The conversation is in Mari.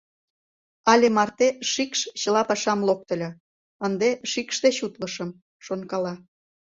Але марте шикш чыла пашам локтыльо, ынде шикш деч утлышым», — шонкала.